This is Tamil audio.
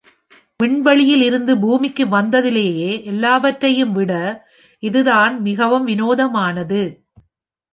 விண்வெளியில் இருந்து பூமிக்கு வந்ததிலேயே எல்லாவற்றையும் விட இது தான் மிகவும் வினோதமானது.